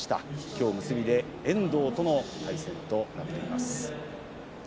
きょう結びで遠藤との対戦となっています。